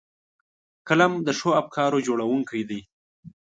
قلم د ښو افکارو جوړوونکی دی